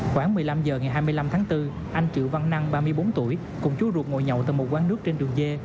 khoảng một mươi năm h ngày hai mươi năm tháng bốn anh triệu văn năng ba mươi bốn tuổi cùng chú ruột ngồi nhậu tại một quán nước trên đường dê